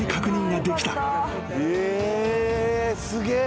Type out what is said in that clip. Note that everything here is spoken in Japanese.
すげえ。